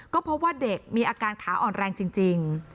ก็พบว่าเด็กมีอาการขาอ่อนแรงจริง